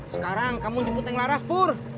sekarang kamu jemput yang laras pur